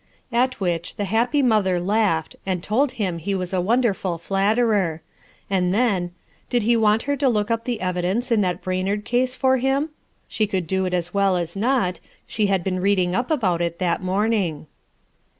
*' At which the happy mother laughed, and told him he was a wonderful flatterer; and then ~ Did he want her to look up the evidence in that Brainard case for him ? She could do it as well as not* She had been reading up about it that morning.